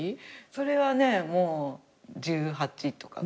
それはねもう１８とか。